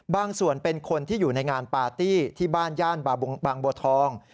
ส่วนเป็นคนที่อยู่ในงานปาร์ตี้ที่บ้านย่านบางบัวทอง